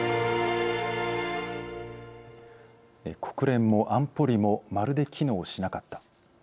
国連も安保理もまるで機能しなかった。